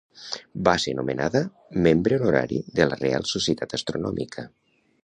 Va ser nomenada membre honorari de la Reial Societat Astronòmica.